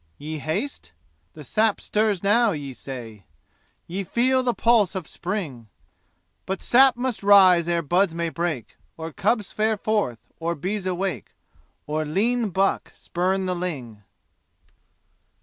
Ye haste? The sap stirs now, ye say? Ye feel the pulse of spring? But sap must rise ere buds may break, Or cubs fare forth, or bees awake, Or lean buck spurn the ling!